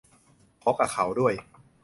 ขอกะเค้าด้วย